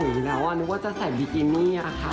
ตั้งแต่สมุยแล้วอ่ะนึกว่าจะใส่บิกินี่ค่ะ